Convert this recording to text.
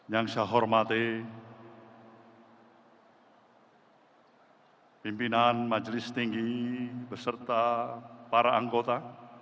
yang saya hormati pimpinan majelis tinggi beserta para anggota